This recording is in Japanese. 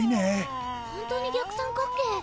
ホントに逆三角形！